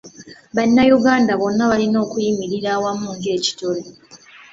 Bannayuganda bonna balina okuyimirira wamu ng'ekitole.